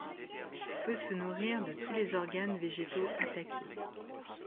Peut se nourrir de tous les organes végétaux attaqués.